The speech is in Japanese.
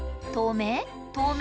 透明？